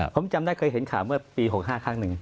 ผมจำได้เคยเห็นข่าวเมื่อปี๖๕ครั้งหนึ่ง